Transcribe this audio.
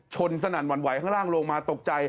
สนั่นหวั่นไหวข้างล่างลงมาตกใจ